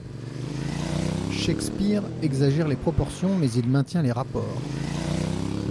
—Shakspeare exagère les proportions, mais il maintient les rapports.